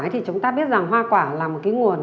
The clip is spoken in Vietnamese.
thì chúng ta biết rằng hoa quả là một cái nguồn